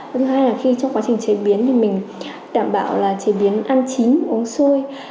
thứ hai là khi trong quá trình chế biến thì mình đảm bảo là chế biến ăn chín uống sôi